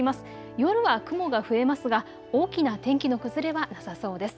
夜は雲が増えますが大きな天気の崩れはなさそうです。